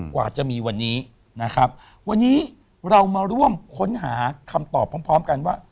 กว่าจะมีวันนี้นะครับวันนี้เรามาร่วมค้นหาคำตอบพร้อมพร้อมกันว่า